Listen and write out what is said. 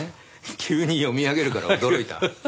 急に読み上げるから驚いた。